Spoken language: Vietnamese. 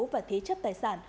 và thế chấp tài sản